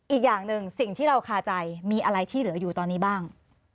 อีกอย่างหนึ่งสิ่งที่เราคาใจมีอะไรที่เหลืออยู่ตอนนี้บ้าง